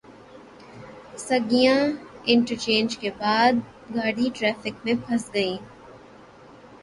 Saggian interchange کے بعد گاڑی ٹریفک میں پھنس گئی۔